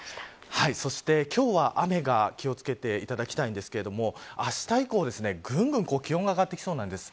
そして今日は雨に気を付けていただきたいんですがあした以降はぐんぐん気温が上がってきそうなんです。